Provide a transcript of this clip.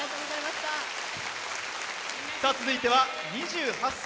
続いては２８歳。